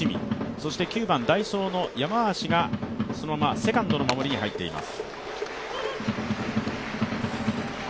そして９番、代走の山足がそのままセカンドの守りに入っています。